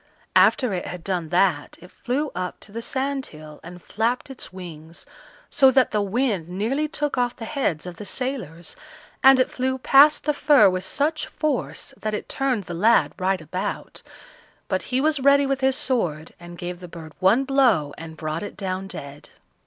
After it had done that, it flew up to the sandhill and flapped its wings, so that the wind nearly took off the heads of the sailors, and it flew past the fir with such force that it turned the lad right about, but he was ready with his sword, and gave the bird one blow and brought it down dead.